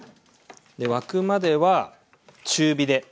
沸くまでは中火で。